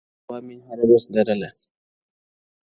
چي تازه هوا مي هره ورځ لرله!